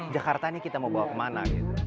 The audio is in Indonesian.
jakartanya kita mau bawa kemana